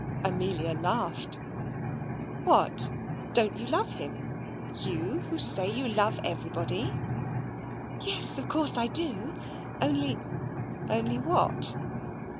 Amelia laughed. "What! don't you love him? you, who say you love everybody?" "Yes, of course, I do only " "Only what?"